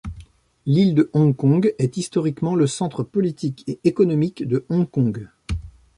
L'Île de Hong Kong est, historiquement, le centre politique et économique de Hong Kong.